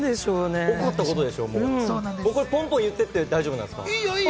ここはポンポン言ってって、大丈夫なんすか？